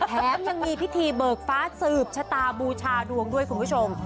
แถมยังมีพิธีเบิกฟ้าสืบชะตาบูชาดวงด้วยคุณผู้ชม